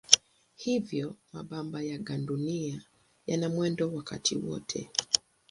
Hivyo mabamba ya gandunia yana mwendo wakati wote.